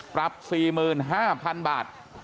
ปรับ๔๕๐๐๐บาท